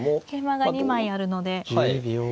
桂馬が２枚あるので。